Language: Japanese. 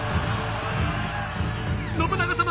信長様！